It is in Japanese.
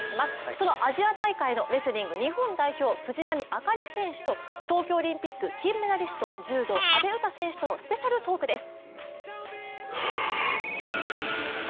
そのアジア大会のレスリング日本代表藤波朱理選手と東京オリンピック金メダリスト柔道・阿部詩選手のスペシャルトークです。